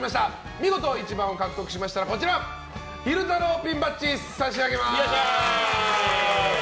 見事１番を獲得しましたら昼太郎ピンバッジを差し上げます。